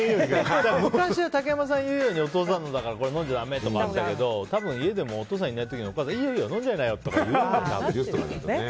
昔は竹山さんが言うようにお父さんのだから飲んじゃだめとかあったんですけど多分、お父さんいない時にお母さんがいいよ、飲んじゃいなよとか言うよね。